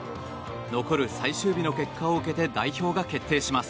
残る最終日の結果を受けて代表が決定します。